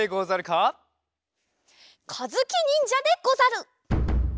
かずきにんじゃでござる！